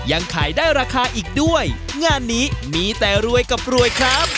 ยังขายได้ราคาอีกด้วยงานนี้มีแต่รวยกับรวยครับ